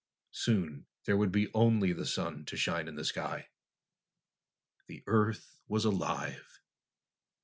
Soon there would be only the sun to shine in the sky. The Earth was alive.